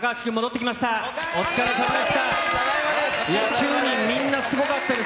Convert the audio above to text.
９人みんなすごかったです。